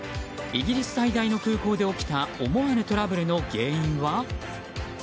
イギリス最大の空港で起きた思わぬトラブルの原因は？